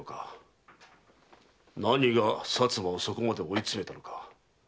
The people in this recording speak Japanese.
何が薩摩をそこまで追い詰めたのか。